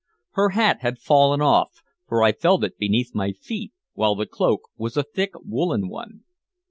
Her hat had fallen off, for I felt it beneath my feet, while the cloak was a thick woolen one.